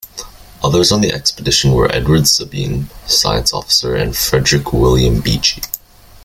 Others on the expedition were Edward Sabine, science officer and Frederick William Beechy.